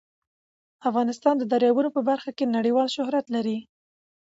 افغانستان د دریابونه په برخه کې نړیوال شهرت لري.